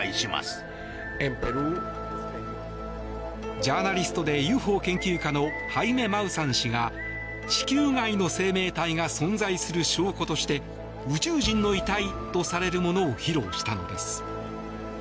ジャーナリストでＵＦＯ研究家のハイメ・マウサン氏が地球外の生命体が存在する証拠として宇宙人の遺体とされるものを披露したのです。